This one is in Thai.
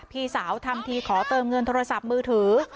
พี่สาวทำทีขอเติมเงินโทรศัพท์มือถือ